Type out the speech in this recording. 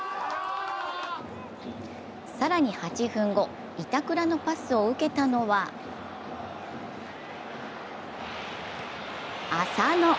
更に８分後、板倉のパスを受けたのは浅野。